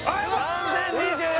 ３０２４円